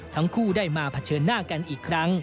ทั้งคู่ได้มาเผชิญหน้ากันอีกครั้ง